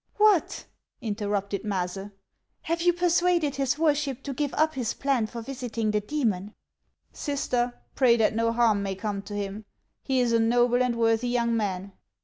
" What !" interrupted Maase, " have you persuaded his worship to give up his plan for visiting the demon ?"" Sister, pray that no harm may come to him. He is a noble and worthy young man.